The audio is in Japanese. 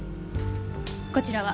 こちらは？